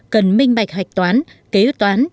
cần minh bạch hoạch toán kế ước toán